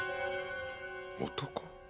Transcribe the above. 男？